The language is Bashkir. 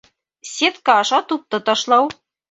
Сетка аша тупты ташлау